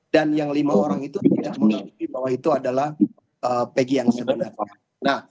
dan yang lima orang itu tidak menanggung bahwa itu adalah pegi yang sebenarnya